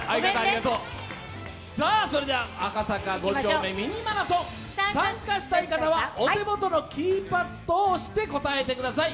それでは赤坂５丁目ミニマラソン、参加したい方はお手元のキーパットを押して答えてください。